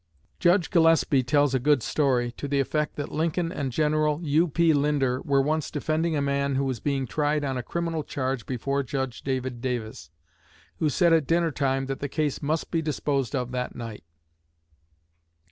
Judge Gillespie tells a good story, to the effect that Lincoln and General U.P. Linder were once defending a man who was being tried on a criminal charge before Judge David Davis, who said at dinner time that the case must be disposed of that night.